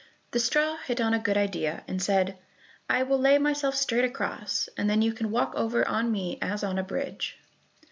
The straw hit on a good idea, and said, "I will lay myself straight across, and then you can walk over on me as on a bridge."